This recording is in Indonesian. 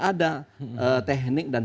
ada teknik dan